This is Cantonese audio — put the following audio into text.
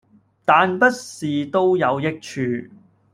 但不是都有益處